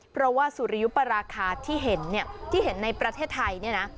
เพราะว่าสุริยุปราคาที่เห็นในประเทศไทย